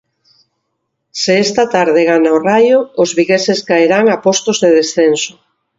Se esta tarde gana o Raio, os vigueses caerán a postos de descenso.